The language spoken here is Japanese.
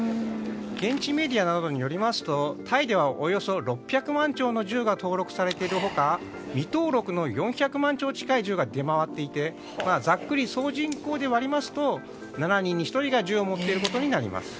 現地メディアなどによりますとタイではおよそ６００万丁の銃が登録されている他未登録の４００万丁近い銃が出回っていてざっくり総人口で割りますと７人に１人が銃を持っていることになります。